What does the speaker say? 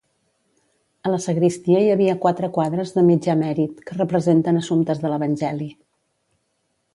A la sagristia hi havia quatre quadres de mitjà mèrit, que representen assumptes de l'Evangeli.